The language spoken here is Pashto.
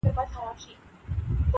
نوم يې کله کله د خلکو په خوله راځي,